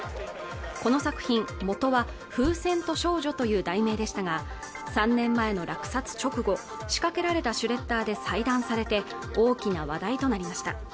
この作品元は風船と少女という題名でしたが３年前の落札直後仕掛けられたシュレッダーで細断されて大きな話題となりました